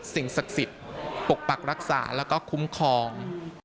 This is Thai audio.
สิ่งศักดิ์สิทธิ์ปกปักรักษาแล้วก็คุ้มครอง